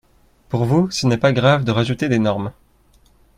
Pour vous, ce n’est pas grave de rajouter des normes